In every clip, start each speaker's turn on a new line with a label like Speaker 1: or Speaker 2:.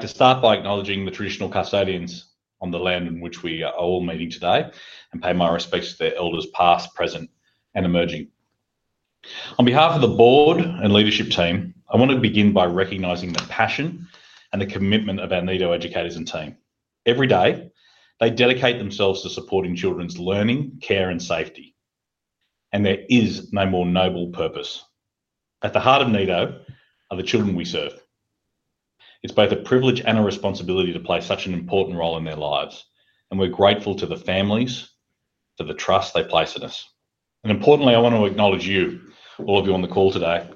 Speaker 1: I'd like to start by acknowledging the traditional custodians on the land in which we are all meeting today and pay my respects to their elders past, present, and emerging. On behalf of the board and leadership team, I want to begin by recognizing the passion and the commitment of our Nido educators and team. Every day, they dedicate themselves to supporting children's learning, care, and safety. There is no more noble purpose. At the heart of Nido are the children we serve. It's both a privilege and a responsibility to play such an important role in their lives, and we're grateful to the families for the trust they place in us. Importantly, I want to acknowledge you, all of you on the call today,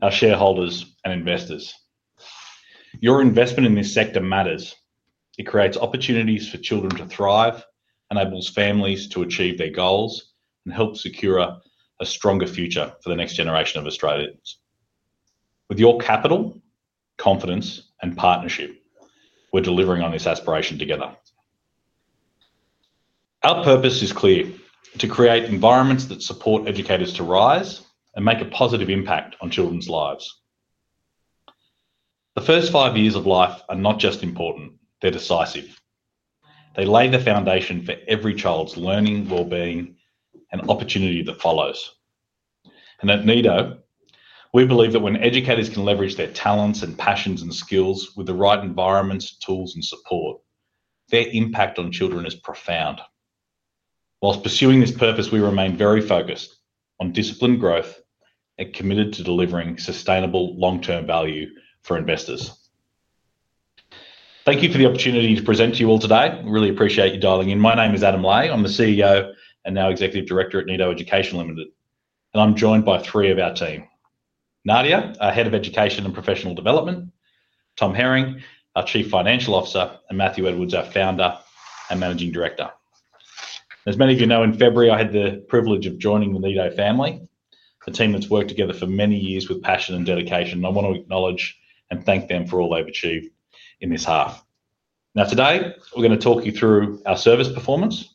Speaker 1: our shareholders and investors. Your investment in this sector matters. It creates opportunities for children to thrive, enables families to achieve their goals, and helps secure a stronger future for the next generation of Australians. With your capital, confidence, and partnership, we're delivering on this aspiration together. Our purpose is clear: to create environments that support educators to rise and make a positive impact on children's lives. The first five years of life are not just important, they're decisive. They lay the foundation for every child's learning, well-being, and opportunity that follows. At Nido, we believe that when educators can leverage their talents and passions and skills with the right environments, tools, and support, their impact on children is profound. Whilst pursuing this purpose, we remain very focused on disciplined growth and committed to delivering sustainable long-term value for investors. Thank you for the opportunity to present to you all today. I really appreciate you dialing in. My name is Adam Lai. I'm the CEO and now Executive Director at Nido Early School. I'm joined by three of our team: Nadia, our Head of Education and Professional Development; Tom Herring, our Chief Financial Officer; and Mathew Edwards, our Founder and Managing Director. As many of you know, in February, I had the privilege of joining the Nido family, a team that's worked together for many years with passion and dedication. I want to acknowledge and thank them for all they've achieved in this half. Now, today we're going to talk you through our service performance,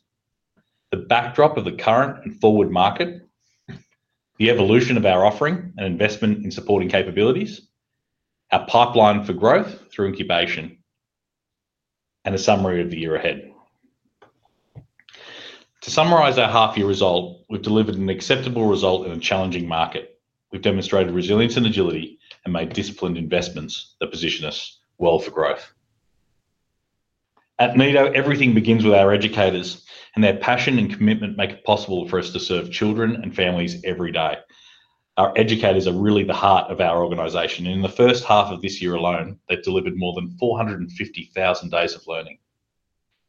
Speaker 1: the backdrop of the current and forward market, the evolution of our offering and investment in supporting capabilities, our pipeline for growth through incubation, and a summary of the year ahead. To summarize our half-year result, we've delivered an acceptable result in a challenging market. We've demonstrated resilience and agility and made disciplined investments that position us well for growth. At Nido, everything begins with our educators, and their passion and commitment make it possible for us to serve children and families every day. Our educators are really the heart of our organization, and in the first half of this year alone, they've delivered more than 450,000 days of learning.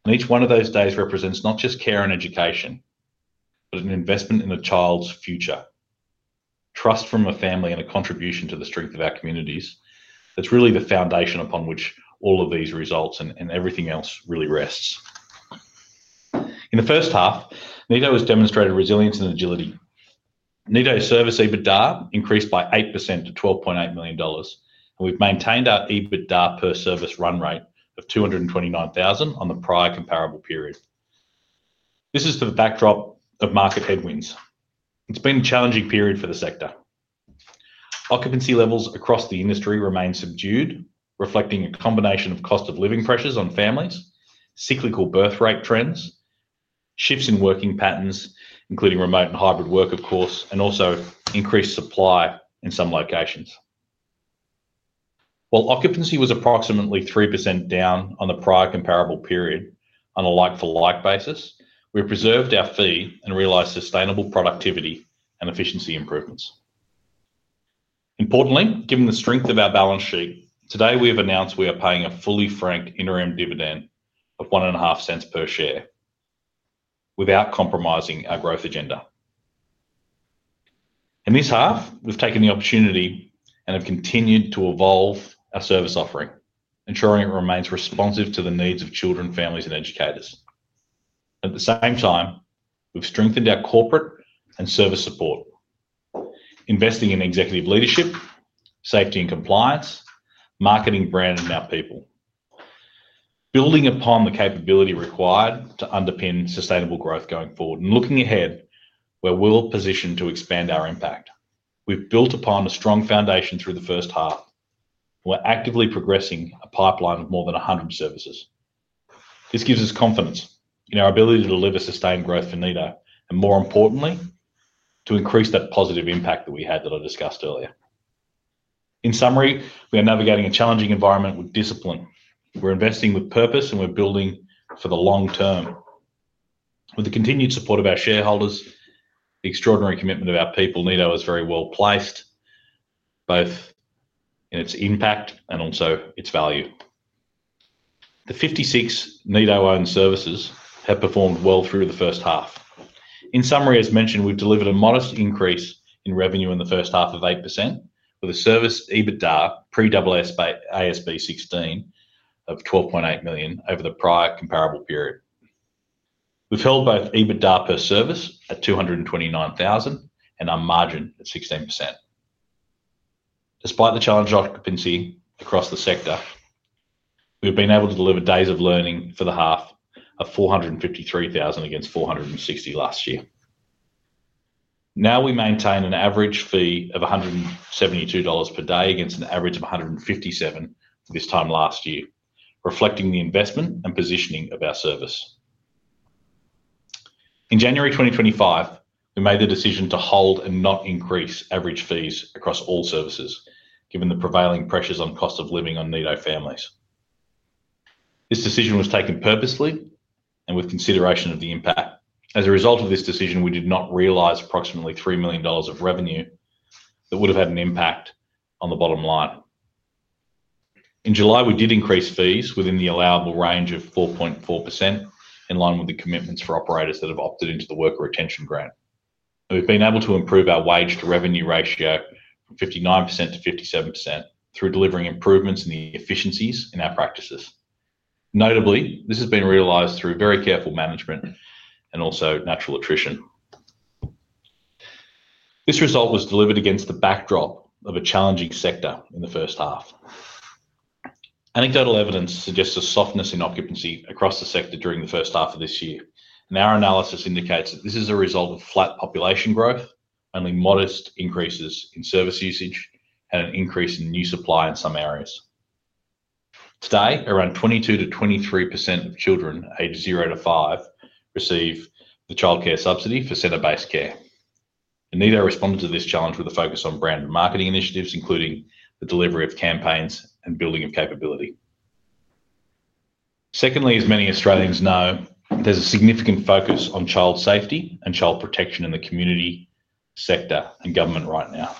Speaker 1: Each one of those days represents not just care and education, but an investment in a child's future, trust from a family, and a contribution to the strength of our communities. That's really the foundation upon which all of these results and everything else really rests. In the first half, Nido has demonstrated resilience and agility. Nido's service EBITDA increased by 8% to $12.8 million, and we've maintained our EBITDA per service run rate of $229,000 on the prior comparable period. This is to the backdrop of market headwinds. It's been a challenging period for the sector. Occupancy levels across the industry remain subdued, reflecting a combination of cost of living pressures on families, cyclical birth rate trends, shifts in working patterns, including remote and hybrid work, of course, and also increased supply in some locations. While occupancy was approximately 3% down on the prior comparable period on a like-for-like basis, we preserved our fee and realized sustainable productivity and efficiency improvements. Importantly, given the strength of our balance sheet, today we have announced we are paying a fully franked interim dividend of $0.015 per share without compromising our growth agenda. In this half, we've taken the opportunity and have continued to evolve our service offering, ensuring it remains responsive to the needs of children, families, and educators. At the same time, we've strengthened our corporate and service support, investing in executive leadership, safety and compliance, marketing, brand, and our people, building upon the capability required to underpin sustainable growth going forward and looking ahead where we're positioned to expand our impact. We've built upon a strong foundation through the first half, and we're actively progressing a pipeline of more than 100 services. This gives us confidence in our ability to deliver sustained growth for Nido and, more importantly, to increase that positive impact that we had that I discussed earlier. In summary, we are navigating a challenging environment with discipline. We're investing with purpose, and we're building for the long term. With the continued support of our shareholders and the extraordinary commitment of our people, Nido is very well placed, both in its impact and also its value. The 56 Nido-owned services have performed well through the first half. In summary, as mentioned, we've delivered a modest increase in revenue in the first half of 8% with a service EBITDA pre-ASB 16 of $12.8 million over the prior comparable period. We've held both EBITDA per service at $229,000 and our margin at 16%. Despite the challenge of occupancy across the sector, we have been able to deliver days of learning for the half of 453,000 against 460,000 last year. Now we maintain an average fee of $172 per day against an average of $157 this time last year, reflecting the investment and positioning of our service. In January 2025, we made the decision to hold and not increase average fees across all services, given the prevailing pressures on cost of living on Nido families. This decision was taken purposely and with consideration of the impact. As a result of this decision, we did not realize approximately $3 million of revenue that would have had an impact on the bottom line. In July, we did increase fees within the allowable range of 4.4%, in line with the commitments for operators that have opted into the Worker Retention Grant. We've been able to improve our wage-to-revenue ratio from 59% to 57% through delivering improvements in the efficiencies in our practices. Notably, this has been realized through very careful management and also natural attrition. This result was delivered against the backdrop of a challenging sector in the first half. Anecdotal evidence suggests a softness in occupancy across the sector during the first half of this year, and our analysis indicates that this is a result of flat population growth, only modest increases in service usage, and an increase in new supply in some areas. Today, around 22%-25% children aged zero to five receive the childcare subsidy for centre-based care. Nido responded to this challenge with a focus on brand and marketing initiatives, including the delivery of campaigns and building of capability. Secondly, as many Australians know, there's a significant focus on child safety and child protection in the community sector and government right now,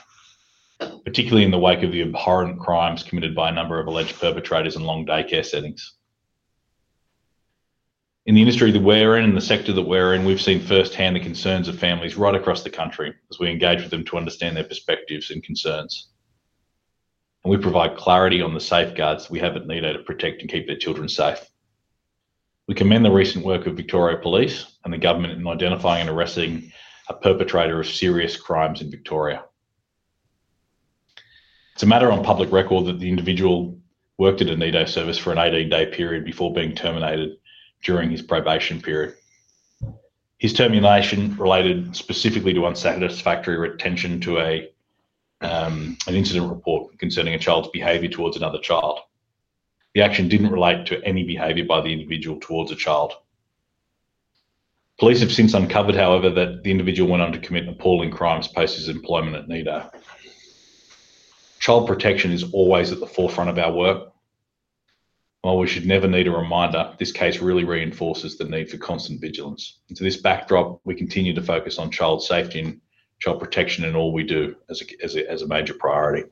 Speaker 1: particularly in the wake of the abhorrent crimes committed by a number of alleged perpetrators in long daycare settings. In the industry that we're in and the sector that we're in, we've seen firsthand the concerns of families right across the country as we engage with them to understand their perspectives and concerns, and we provide clarity on the safeguards we have at Nido to protect and keep their children safe. We commend the recent work of Victoria Police and the government in identifying and arresting a perpetrator of serious crimes in Victoria. It's a matter on public record that the individual worked at a Nido service for an 18-day period before being terminated during his probation period. His termination related specifically to unsatisfactory retention to an incident report concerning a child's behavior towards another child. The action didn't relate to any behavior by the individual towards a child. Police have since uncovered, however, that the individual went on to commit appalling crimes post his employment at Nido. Child protection is always at the forefront of our work. While we should never need a reminder, this case really reinforces the need for constant vigilance. In this backdrop, we continue to focus on child safety and child protection in all we do as a major priority.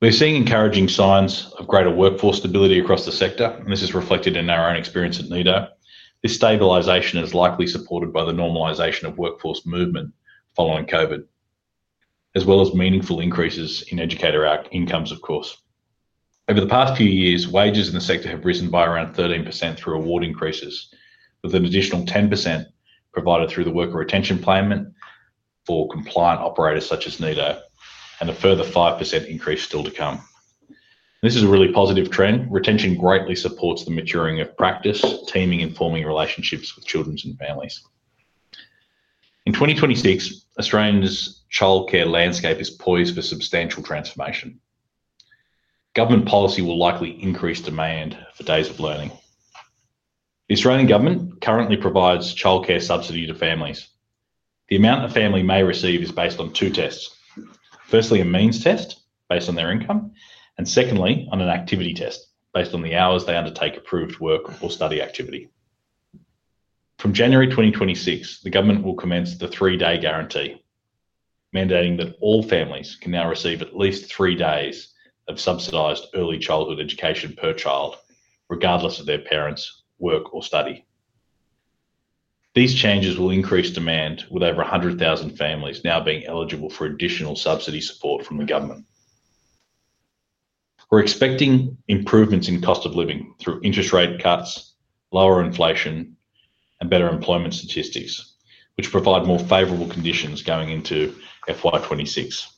Speaker 1: We're seeing encouraging signs of greater workforce stability across the sector, and this is reflected in our own experience at Nido. This stabilization is likely supported by the normalization of workforce movement following COVID, as well as meaningful increases in educator incomes, of course. Over the past few years, wages in the sector have risen by around 13% through award increases, with an additional 10% provided through the Worker Retention Plan for compliant operators such as Nido, and a further 5% increase still to come. This is a really positive trend. Retention greatly supports the maturing of practice, teaming, and forming relationships with children and families. In 2026, Australia's childcare landscape is poised for substantial transformation. Government policy will likely increase demand for days of learning. The Australian government currently provides childcare subsidy to families. The amount a family may receive is based on two tests. Firstly, a means test based on their income, and secondly, on an activity test based on the hours they undertake approved work or study activity. From January 2026, the government will commence the three-day childcare subsidy guarantee, mandating that all families can now receive at least three days of subsidized early childhood education per child, regardless of their parents' work or study. These changes will increase demand, with over 100,000 families now being eligible for additional subsidy support from the government. We're expecting improvements in cost of living through interest rate cuts, lower inflation, and better employment statistics, which provide more favorable conditions going into FY 2026.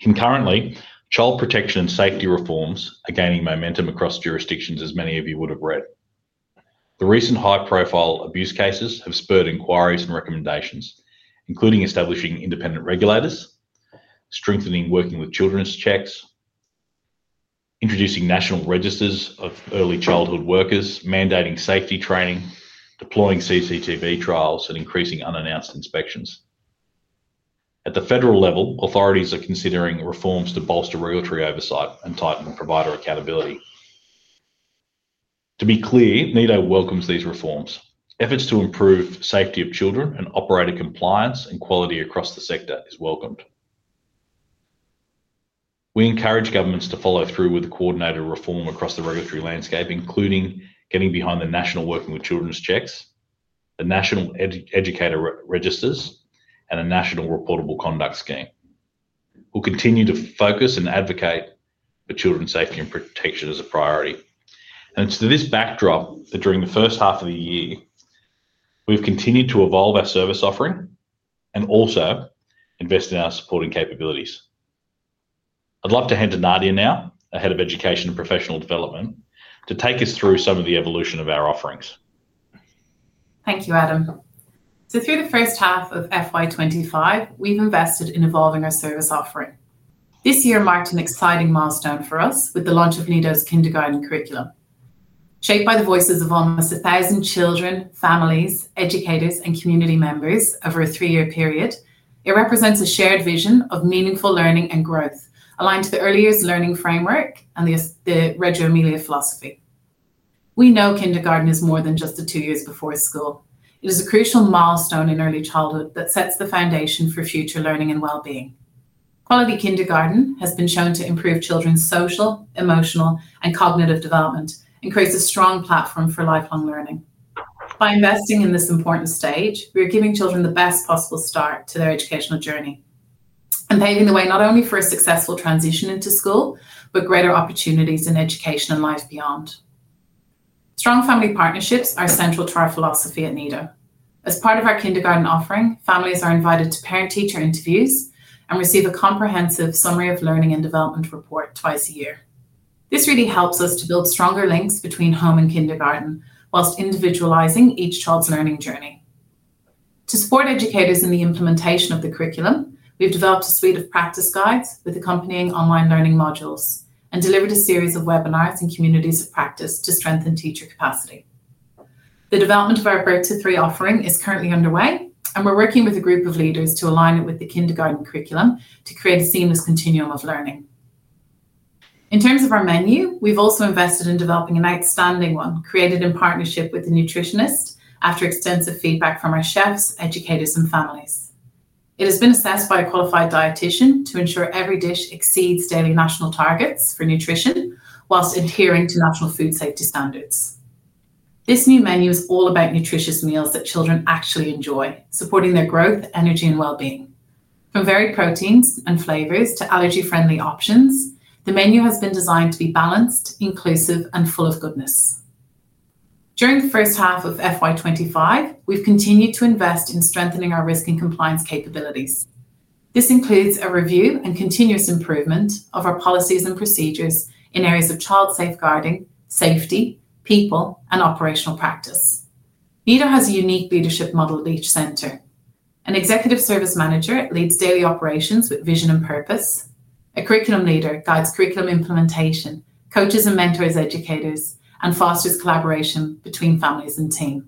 Speaker 1: Concurrently, child safety and protection reforms are gaining momentum across jurisdictions, as many of you would have read. The recent high-profile abuse cases have spurred inquiries and recommendations, including establishing independent regulators, strengthening working with children's checks, introducing national registers of early childhood workers, mandating safety training, deploying CCTV trials, and increasing unannounced inspections. At the federal level, authorities are considering reforms to bolster regulatory oversight and tighten provider accountability. To be clear, Nido welcomes these reforms. Efforts to improve safety of children and operator compliance and quality across the sector are welcomed. We encourage governments to follow through with the coordinated reform across the regulatory landscape, including getting behind the national working with children's checks, the national educator registers, and a national reportable conduct scheme. We'll continue to focus and advocate for children's safety and protection as a priority. It is to this backdrop that during the first half of the year, we've continued to evolve our service offering and also invest in our supporting capabilities. I'd love to hand to Nadia now, our Head of Education and Professional Development, to take us through some of the evolution of our offerings.
Speaker 2: Thank you, Adam. Through the first half of FY 2025, we've invested in evolving our service offering. This year marked an exciting milestone for us with the launch of Nido's kindergarten curriculum. Shaped by the voices of almost 1,000 children, families, educators, and community members over a three-year period, it represents a shared vision of meaningful learning and growth, aligned to the earliest learning framework and the Reggio Emilia philosophy. We know kindergarten is more than just the two years before school. It is a crucial milestone in early childhood that sets the foundation for future learning and well-being. Quality kindergarten has been shown to improve children's social, emotional, and cognitive development and creates a strong platform for lifelong learning. By investing in this important stage, we are giving children the best possible start to their educational journey and paving the way not only for a successful transition into school, but greater opportunities in education and life beyond. Strong family partnerships are central to our philosophy at Nido. As part of our kindergarten offering, families are invited to parent-teacher interviews and receive a comprehensive summary of learning and development report twice a year. This really helps us to build stronger links between home and kindergarten, whilst individualizing each child's learning journey. To support educators in the implementation of the curriculum, we've developed a suite of practice guides with accompanying online learning modules and delivered a series of webinars in communities of practice to strengthen teacher capacity. The development of our breakfast free offering is currently underway, and we're working with a group of leaders to align it with the kindergarten curriculum to create a seamless continuum of learning. In terms of our menu, we've also invested in developing an outstanding one created in partnership with a nutritionist after extensive feedback from our chefs, educators, and families. It has been assessed by a qualified dietitian to ensure every dish exceeds daily national targets for nutrition, whilst adhering to national food safety standards. This new menu is all about nutritious meals that children actually enjoy, supporting their growth, energy, and well-being. From varied proteins and flavors to allergy-friendly options, the menu has been designed to be balanced, inclusive, and full of goodness. During the first half of FY 2025, we've continued to invest in strengthening our risk and compliance capabilities. This includes a review and continuous improvement of our policies and procedures in areas of child safeguarding, safety, people, and operational practice. Nid has a unique leadership model at each centre. An Executive Service Manager leads daily operations with vision and purpose. A Curriculum Leader guides curriculum implementation, coaches and mentors educators, and fosters collaboration between families and teams.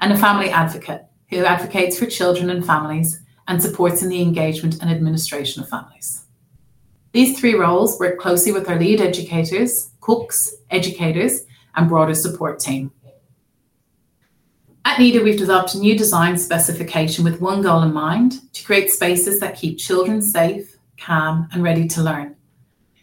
Speaker 2: A Family Advocate advocates for children and families and supports in the engagement and administration of families. These three roles work closely with our lead educators, cooks, educators, and broader support team. At Nido, we've developed a new design specification with one goal in mind: to create spaces that keep children safe, calm, and ready to learn.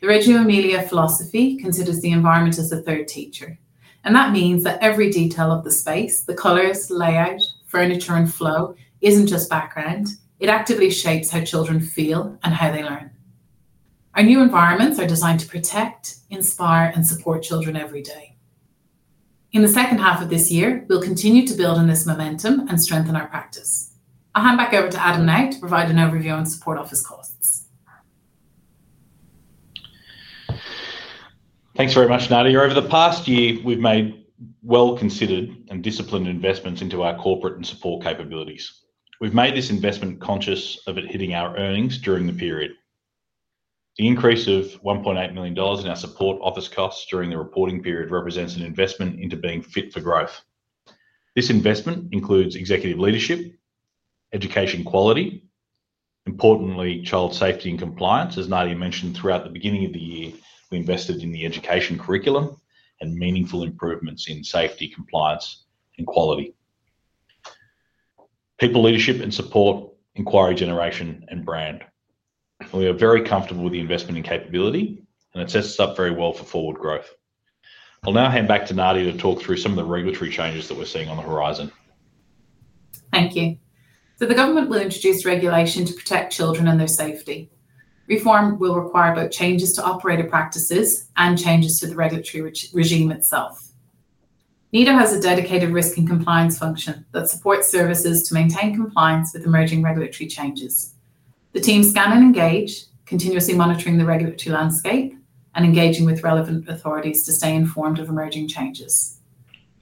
Speaker 2: The Reggio Emilia philosophy considers the environment as a third teacher, and that means that every detail of the space, the colors, layout, furniture, and flow isn't just background, it actively shapes how children feel and how they learn. Our new environments are designed to protect, inspire, and support children every day. In the second half of this year, we'll continue to build on this momentum and strengthen our practice. I'll hand back over to Adam Lai to provide an overview on support office costs.
Speaker 1: Thanks very much, Nadia. Over the past year, we've made well-considered and disciplined investments into our corporate and support capabilities. We've made this investment conscious of it hitting our earnings during the period. The increase of $1.8 million in our support office costs during the reporting period represents an investment into being fit for growth. This investment includes executive leadership, education quality, and importantly, child safety and compliance. As Nadia mentioned throughout the beginning of the year, we invested in the education curriculum and meaningful improvements in safety, compliance, and quality. People, leadership and support, inquiry, generation, and brand. We are very comfortable with the investment in capability, and it sets us up very well for forward growth. I'll now hand back to Nadia to talk through some of the regulatory changes that we're seeing on the horizon.
Speaker 2: Thank you. The government will introduce regulation to protect children and their safety. Reform will require both changes to operator practices and changes to the regulatory regime itself. Nido has a dedicated risk and compliance function that supports services to maintain compliance with emerging regulatory changes. The team scan and engage, continuously monitoring the regulatory landscape and engaging with relevant authorities to stay informed of emerging changes.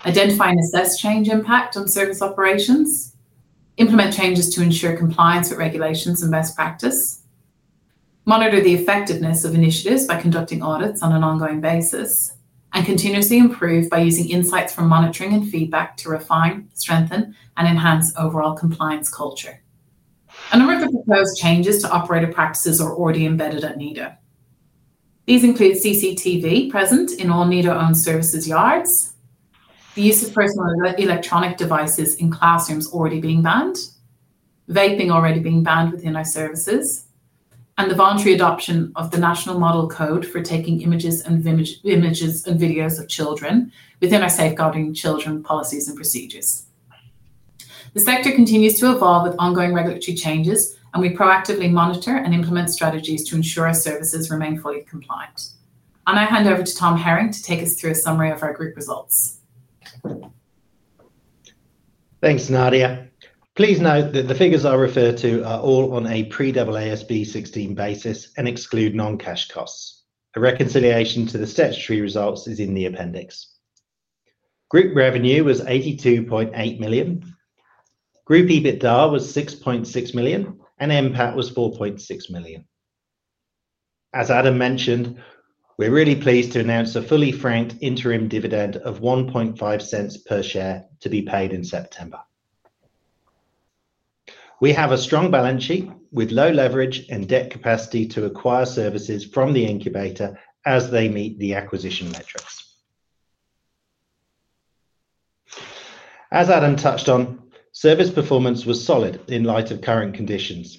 Speaker 2: Identify and assess change impact on service operations, implement changes to ensure compliance with regulations and best practice, monitor the effectiveness of initiatives by conducting audits on an ongoing basis, and continuously improve by using insights from monitoring and feedback to refine, strengthen, and enhance overall compliance culture. A number of the proposed changes to operator practices are already embedded at Nido. These include CCTV present in all Nido-owned services yards, the use of personal electronic devices in classrooms already being banned, vaping already being banned within our services, and the voluntary adoption of the national model code for taking images and videos of children within our safeguarding children policies and procedures. The sector continues to evolve with ongoing regulatory changes, and we proactively monitor and implement strategies to ensure our services remain fully compliant. I'll now hand over to Tom Herring to take us through a summary of our group results.
Speaker 3: Thanks, Nadia. Please note that the figures I refer to are all on a pre-AASB 16 basis and exclude non-cash costs. A reconciliation to the statutory results is in the appendix. Group revenue was $82.8 million. Group EBITDA was $6.6 million, and NPAT was $4.6 million. As Adam mentioned, we're really pleased to announce a fully franked interim dividend of $0.015 per share to be paid in September. We have a strong balance sheet with low leverage and debt capacity to acquire services from the incubator as they meet the acquisition metrics. As Adam touched on, service performance was solid in light of current conditions,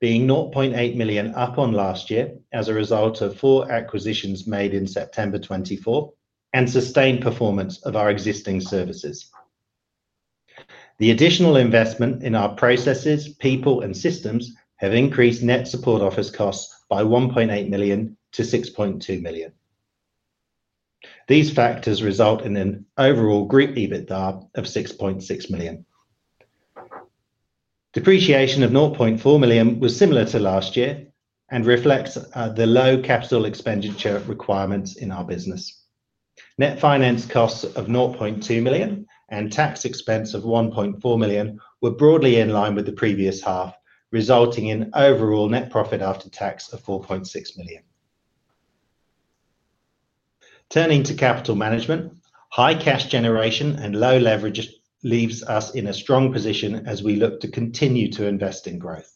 Speaker 3: being $0.8 million up on last year as a result of four acquisitions made in September 2024 and sustained performance of our existing services. The additional investment in our processes, people, and systems have increased net support office costs by $1.8 million to $6.2 million. These factors result in an overall group EBITDA of $6.6 million. Depreciation of $0.4 million was similar to last year and reflects the low capital expenditure requirements in our business. Net finance costs of $0.2 million and tax expense of $1.4 million were broadly in line with the previous half, resulting in overall net profit after tax of $4.6 million. Turning to capital management, high cash generation and low leverage leaves us in a strong position as we look to continue to invest in growth.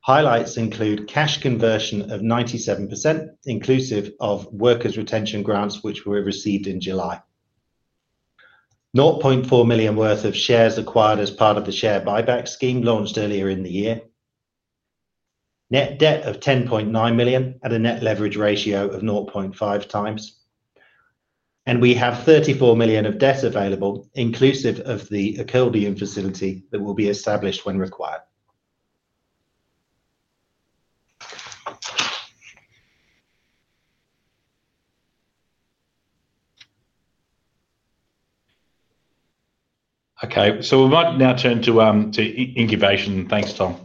Speaker 3: Highlights include cash conversion of 97%, inclusive of Workers Retention Grants, which were received in July, $0.4 million worth of shares acquired as part of the share buyback program launched earlier in the year, net debt of $10.9 million at a net leverage ratio of 0.5x and we have $34 million of debt available, inclusive of the accordion facility that will be established when required.
Speaker 1: Okay, we might now turn to incubation. Thanks, Tom.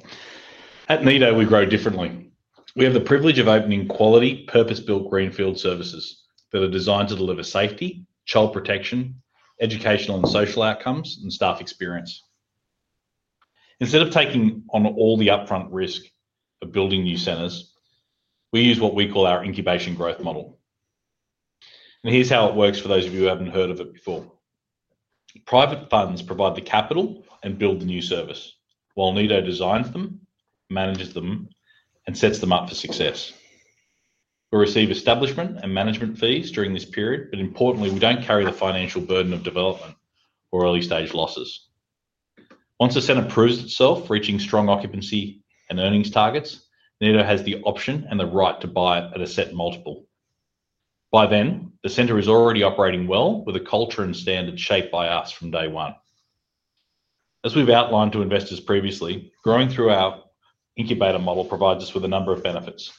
Speaker 1: At Nido, we grow differently. We have the privilege of opening quality, purpose-built greenfield services that are designed to deliver safety, child protection, educational and social outcomes, and staff experience. Instead of taking on all the upfront risk of building new centers, we use what we call our incubation growth model. Here's how it works for those of you who haven't heard of it before. Private funds provide the capital and build the new service, while Nido designs them, manages them, and sets them up for success. We receive establishment and management fees during this period, but importantly, we don't carry the financial burden of development or early-stage losses. Once a center proves itself reaching strong occupancy and earnings targets, Nido has the option and the right to buy it at a set multiple. By then, the center is already operating well with a culture and standard shaped by us from day one. As we've outlined to investors previously, growing through our incubator model provides us with a number of benefits.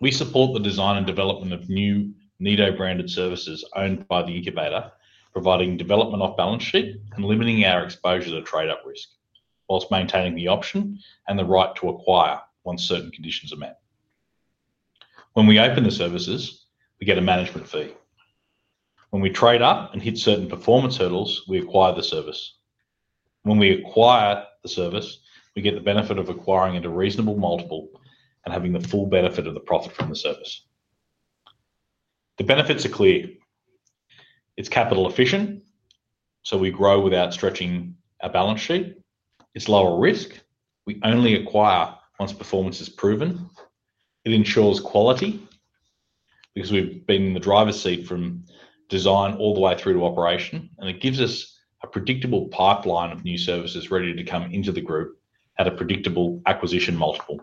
Speaker 1: We support the design and development of new Nido-branded services owned by the incubator, providing development off balance sheet and limiting our exposure to trade-up risk, whilst maintaining the option and the right to acquire once certain conditions are met. When we open the services, we get a management fee. When we trade up and hit certain performance hurdles, we acquire the service. When we acquire the service, we get the benefit of acquiring at a reasonable multiple and having the full benefit of the profit from the service. The benefits are clear. It's capital efficient, we grow without stretching our balance sheet. It's lower risk, we only acquire once performance is proven. It ensures quality because we've been in the driver's seat from design all the way through to operation, and it gives us a predictable pipeline of new services ready to come into the group at a predictable acquisition multiple.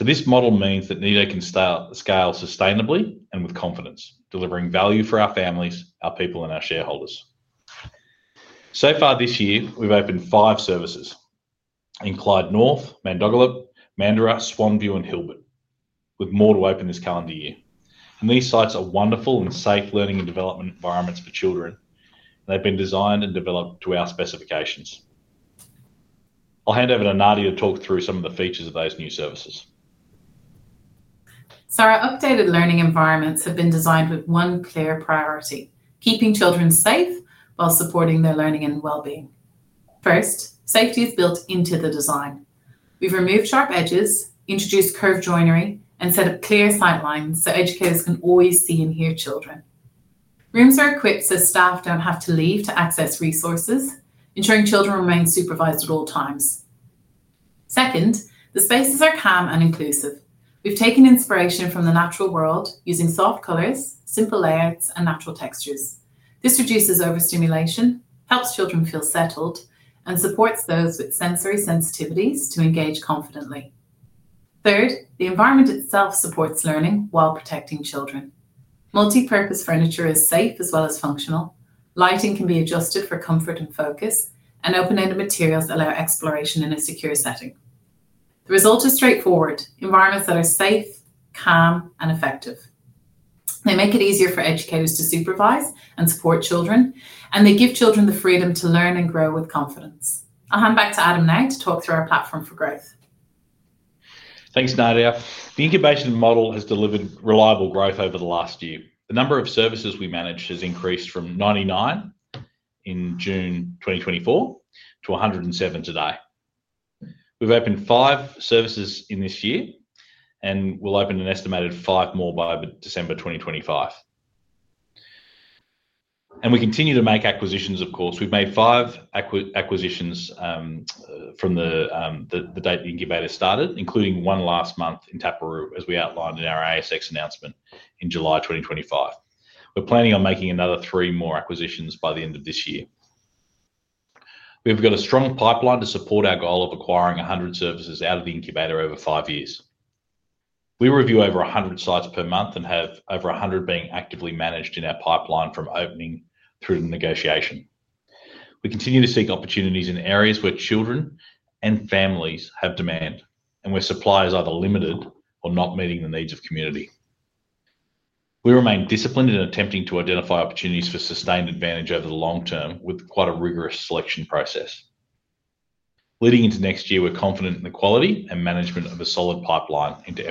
Speaker 1: This model means that Nido can scale sustainably and with confidence, delivering value for our families, our people, and our shareholders. So far this year, we've opened five services in Clyde North, Mandogalup, Mandaras, Swannville, and Hilbert, with more to open this calendar year. These sites are wonderful and safe learning and development environments for children. They've been designed and developed to our specifications. I'll hand over to Nadia to talk through some of the features of those new services.
Speaker 2: Our updated learning environments have been designed with one clear priority: keeping children safe while supporting their learning and well-being. First, safety is built into the design. We've removed sharp edges, introduced curved joinery, and set up clear sight lines so educators can always see and hear children. Rooms are equipped so staff don't have to leave to access resources, ensuring children remain supervised at all times. Second, the spaces are calm and inclusive. We've taken inspiration from the natural world using soft colors, simple layouts, and natural textures. This reduces overstimulation, helps children feel settled, and supports those with sensory sensitivities to engage confidently. Third, the environment itself supports learning while protecting children. Multi-purpose furniture is safe as well as functional. Lighting can be adjusted for comfort and focus, and open-ended materials allow exploration in a secure setting. The result is straightforward: environments that are safe, calm, and effective. They make it easier for educators to supervise and support children, and they give children the freedom to learn and grow with confidence. I'll hand back to Adam now to talk through our platform for growth.
Speaker 1: Thanks, Nadia. The incubation model has delivered reliable growth over the last year. The number of services we managed has increased from 99 in June 2024 to 107 today. We've opened five services in this year and will open an estimated five more by December 2025. We continue to make acquisitions, of course. We've made five acquisitions from the date the incubator started, including one last month in Taparu, as we outlined in our ASX announcement in July 2025. We're planning on making another three more acquisitions by the end of this year. We've got a strong pipeline to support our goal of acquiring 100 services out of the incubator over five years. We review over 100 sites per month and have over 100 being actively managed in our pipeline from opening through the negotiation. We continue to seek opportunities in areas where children and families have demand and where supply is either limited or not meeting the needs of community. We remain disciplined in attempting to identify opportunities for sustained advantage over the long term with quite a rigorous selection process. Leading into next year, we're confident in the quality and management of a solid pipeline into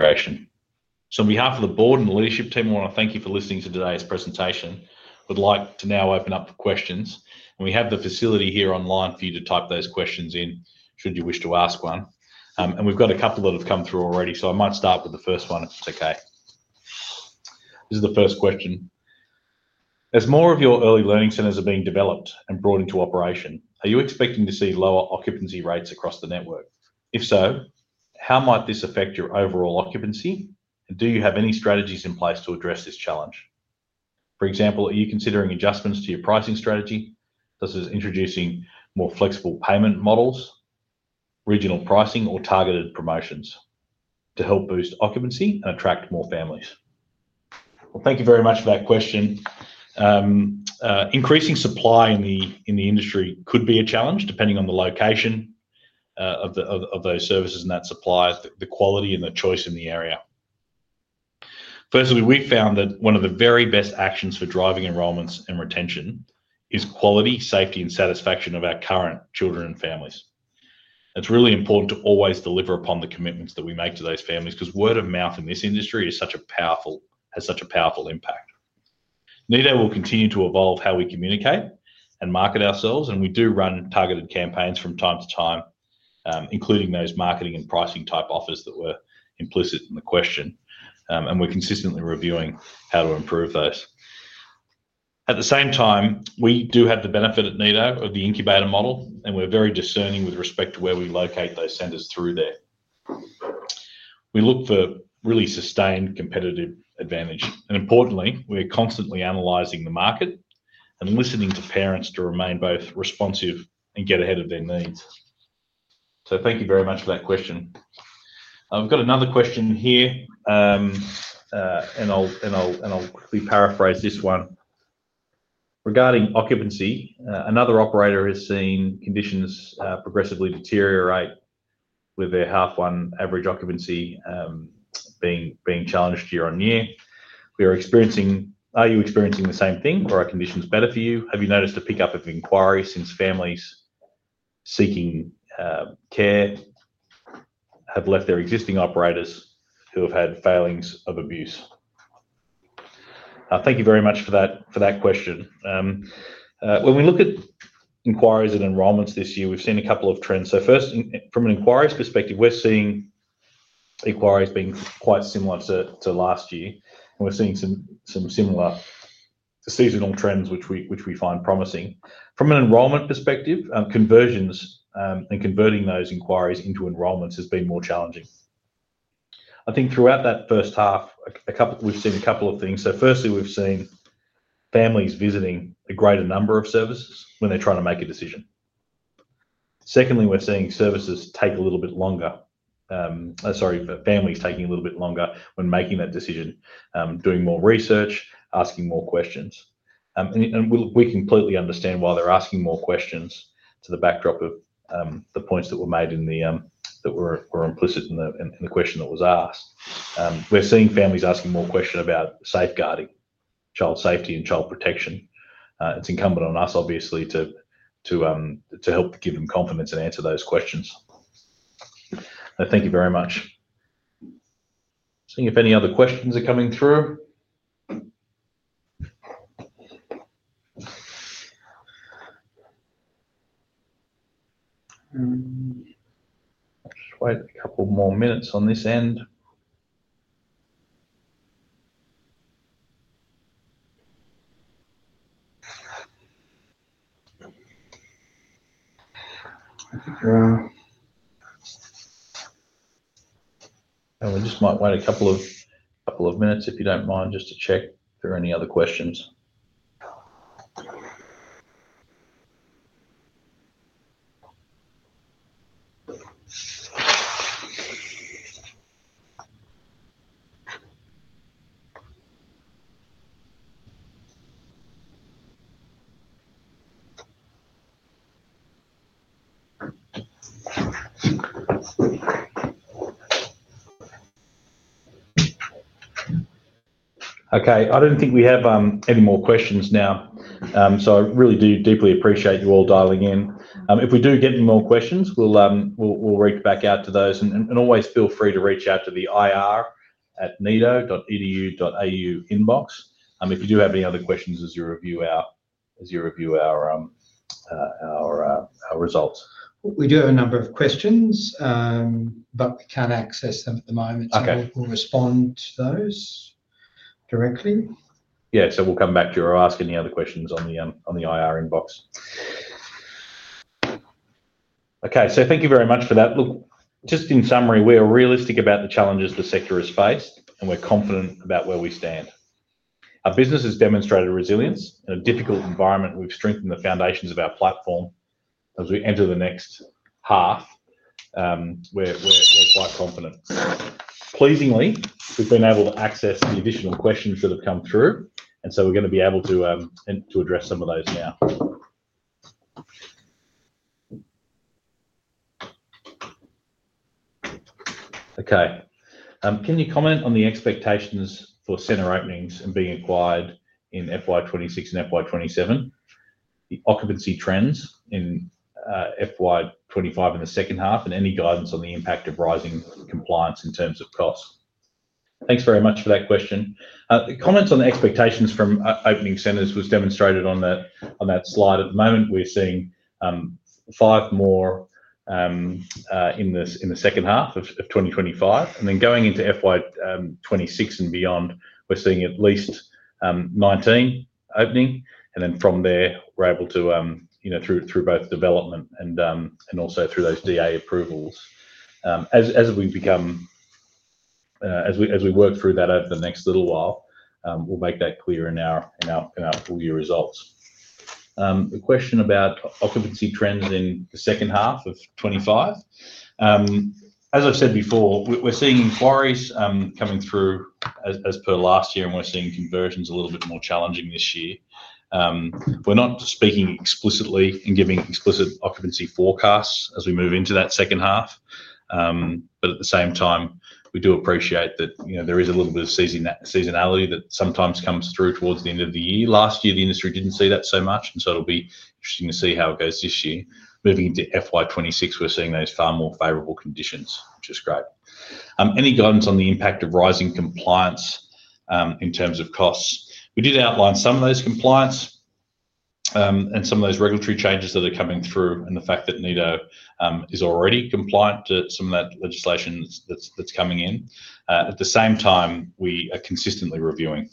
Speaker 1: FY 2026. Thanks for your patience and your cooperation. On behalf of the Board and the leadership team, I want to thank you for listening to today's presentation. I would like to now open up for questions, and we have the facility here online for you to type those questions in should you wish to ask one. We've got a couple that have come through already, so I might start with the first one, if it's okay. This is the first question. As more of your early learning centers are being developed and brought into operation, are you expecting to see lower occupancy rates across the network? If so, how might this affect your overall occupancy? Do you have any strategies in place to address this challenge? For example, are you considering adjustments to your pricing strategy, such as introducing more flexible payment models, regional pricing, or targeted promotions to help boost occupancy and attract more families? Thank you very much for that question. Increasing supply in the industry could be a challenge depending on the location of those services and that supply, the quality, and the choice in the area. Firstly, we found that one of the very best actions for driving enrollments and retention is quality, safety, and satisfaction of our current children and families. It's really important to always deliver upon the commitments that we make to those families because word of mouth in this industry has such a powerful impact. Nido will continue to evolve how we communicate and market ourselves, and we do run targeted campaigns from time to time, including those marketing and pricing type offers that were implicit in the question. We're consistently reviewing how to improve those. At the same time, we do have the benefit at Nido of the incubation model, and we're very discerning with respect to where we locate those centers through there. We look for really sustained competitive advantage, and importantly, we're constantly analyzing the market and listening to parents to remain both responsive and get ahead of their needs. Thank you very much for that question. I've got another question here, and I'll quickly paraphrase this one. Regarding occupancy, another operator has seen conditions progressively deteriorate with their half-on average occupancy being challenged year on year. Are you experiencing the same thing? Are conditions better for you? Have you noticed a pickup of inquiries since families seeking care have left their existing operators who have had failings of abuse? Thank you very much for that question. When we look at inquiries and enrollments this year, we've seen a couple of trends. First, from an inquiries perspective, we're seeing inquiries being quite similar to last year, and we're seeing some similar seasonal trends, which we find promising. From an enrollment perspective, conversions and converting those inquiries into enrollments has been more challenging. I think throughout that first half, we've seen a couple of things. Firstly, we've seen families visiting a greater number of services when they're trying to make a decision. Secondly, we're seeing families taking a little bit longer when making that decision, doing more research, asking more questions. We completely understand why they're asking more questions to the backdrop of the points that were made in the, that were implicit in the question that was asked. We're seeing families asking more questions about safeguarding, child safety, and child protection. It's incumbent on us, obviously, to help give them confidence and answer those questions. Thank you very much. Seeing if any other questions are coming through. Quite a couple more minutes on this end. We just might wait a couple of minutes, if you don't mind, just to check if there are any other questions. Okay, I don't think we have any more questions now, so I really do deeply appreciate you all dialing in. If we do get any more questions, we'll reach back out to those, and always feel free to reach out to the ir@nido.edu.au inbox if you do have any other questions as you review our results.
Speaker 3: We do have a number of questions, but we can't access them at the moment. We'll respond to those directly.
Speaker 1: Yeah, so we'll come back to you or ask any other questions on the IR inbox. Okay, so thank you very much for that. Look, just in summary, we are realistic about the challenges the sector has faced, and we're confident about where we stand. Our business has demonstrated resilience in a difficult environment. We've strengthened the foundations of our platform. As we enter the next half, we're quite confident. Pleasingly, we've been able to access the additional questions that have come through, and so we're going to be able to address some of those now. Okay, can you comment on the expectations for center openings and being acquired in FY 2026 and FY 2027? The occupancy trends in FY 2025 in the second half, and any guidance on the impact of rising compliance in terms of cost? Thanks very much for that question. The comments on the expectations from opening centers were demonstrated on that slide. At the moment, we're seeing five more in the second half of 2025. Going into FY 2026 and beyond, we're seeing at least 19 opening. From there, we're able to, you know, through both development and also through those DA approvals. As we work through that over the next little while, we'll make that clear in our full-year results. The question about occupancy trends in the second half of 2025, as I've said before, we're seeing inquiries coming through as per last year, and we're seeing conversions a little bit more challenging this year. We're not speaking explicitly and giving explicit occupancy forecasts as we move into that second half. At the same time, we do appreciate that, you know, there is a little bit of seasonality that sometimes comes through towards the end of the year. Last year, the industry didn't see that so much, and it'll be interesting to see how it goes this year. Moving into FY 2026, we're seeing those far more favorable conditions, which is great. Any guidance on the impact of rising compliance in terms of costs? We did outline some of those compliance and some of those regulatory changes that are coming through and the fact that Nido Early School is already compliant to some of that legislation that's coming in. At the same time, we are consistently reviewing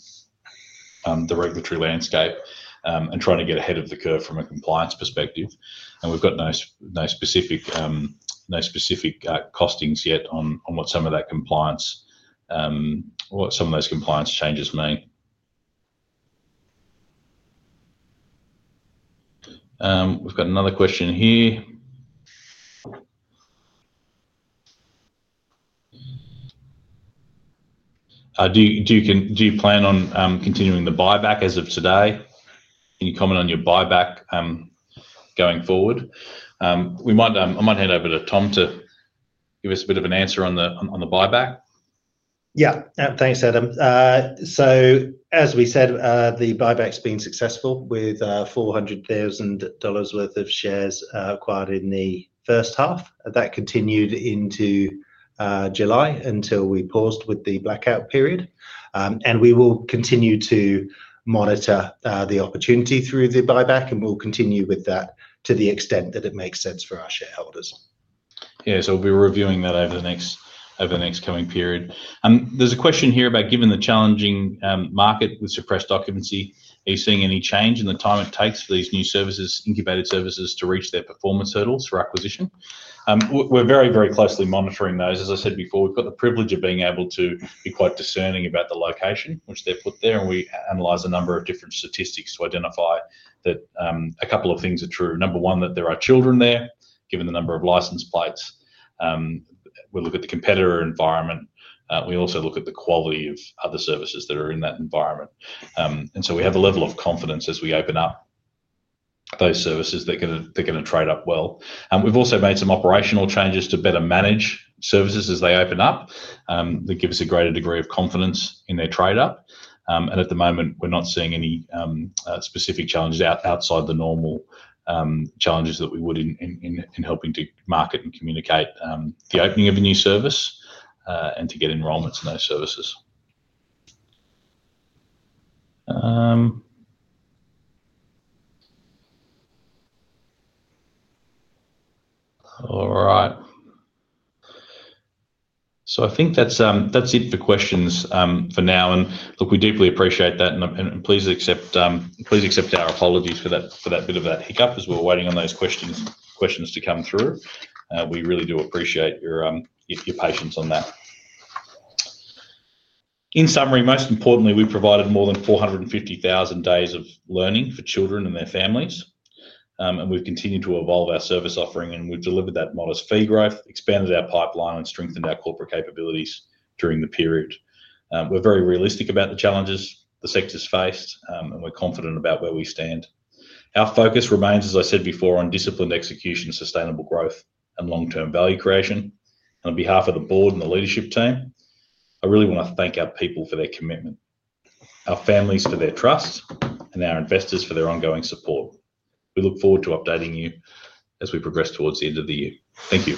Speaker 1: the regulatory landscape and trying to get ahead of the curve from a compliance perspective. We've got no specific costings yet on what some of that compliance, what some of those compliance changes mean. We've got another question here. Do you plan on continuing the buyback as of today? Can you comment on your buyback going forward? I might hand over to Tom to give us a bit of an answer on the buyback.
Speaker 3: Yeah, thanks, Adam. As we said, the buyback's been successful with $400,000 worth of shares acquired in the first half. That continued into July until we paused with the blackout period. We will continue to monitor the opportunity through the buyback, and we'll continue with that to the extent that it makes sense for our shareholders.
Speaker 1: Yeah, we'll be reviewing that over the next coming period. There's a question here about given the challenging market with suppressed occupancy, are you seeing any change in the time it takes for these new services, incubated services, to reach their performance hurdles for acquisition? We're very, very closely monitoring those. As I said before, we've got the privilege of being able to be quite discerning about the location in which they're put, and we analyze a number of different statistics to identify that a couple of things are true. Number one, that there are children there, given the number of license plates. We look at the competitor environment. We also look at the quality of other services that are in that environment. We have a level of confidence as we open up those services that they're going to trade up well. We've also made some operational changes to better manage services as they open up. They give us a greater degree of confidence in their trade-up. At the moment, we're not seeing any specific challenges outside the normal challenges that we would in helping to market and communicate the opening of a new service and to get enrollments in those services. All right. I think that's it for questions for now. We deeply appreciate that. Please accept our apologies for that bit of a hiccup as we were waiting on those questions to come through. We really do appreciate your patience on that. In summary, most importantly, we provided more than 450,000 days of learning for children and their families. We've continued to evolve our service offering, and we've delivered that modest fee growth, expanded our pipeline, and strengthened our corporate capabilities during the period. We're very realistic about the challenges the sector's faced, and we're confident about where we stand. Our focus remains, as I said before, on disciplined execution, sustainable growth, and long-term value creation. On behalf of the Board and the leadership team, I really want to thank our people for their commitment, our families for their trust, and our investors for their ongoing support. We look forward to updating you as we progress towards the end of the year. Thank you.